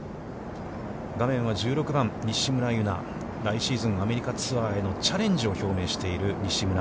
画面は１６番、西村優菜。来シーズン、アメリカツアーへの、チャレンジを表明している、西村。